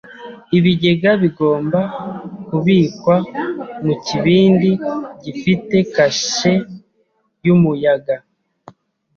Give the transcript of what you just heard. Ibigega bigomba kubikwa mu kibindi gifite kashe yumuyaga.